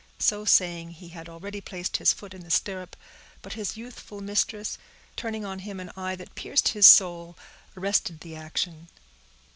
So saying, he had already placed his foot in the stirrup, but his youthful mistress, turning on him an eye that pierced his soul, arrested the action.